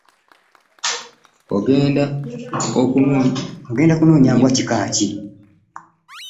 Ogenda kunonya mbwa kika ki?